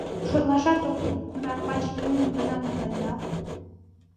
Шотлашат ок кӱл, кунар пачке улмым гына умылен нал.